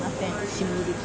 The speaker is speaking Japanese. しんみりと。